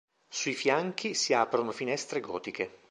Sui fianchi si aprono finestre gotiche.